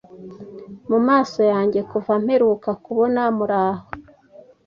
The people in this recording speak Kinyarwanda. Mumaso yanjye kuva mperuka kubona muraho ...